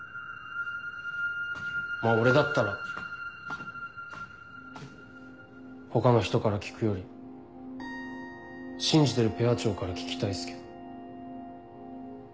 まぁ俺だったら他の人から聞くより信じてるペア長から聞きたいっすけど。